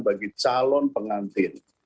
bagi calon pengantin